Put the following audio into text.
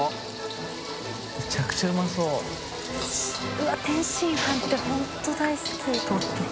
うわっ天津飯って本当大好き。